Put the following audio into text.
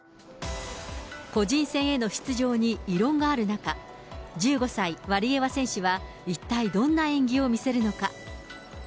個人戦への出場に異論がある中、１５歳、ワリエワ選手は、一体どんな演技を見せるのか。